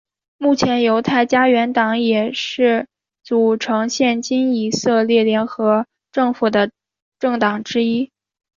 目前犹太家园党也是组成现今以色列联合政府的政党之一。